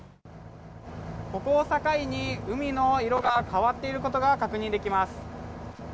ここを境に海の色が変わっていることが確認できます。